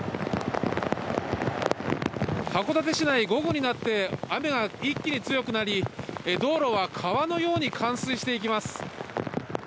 函館市内、午後になって雨が一気に強くなり、道路は川のように冠水していきます。